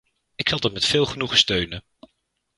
Ik zal dat met veel genoegen steunen.